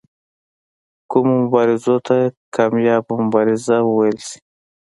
کومو مبارزو ته کامیابه مبارزې وویل شي.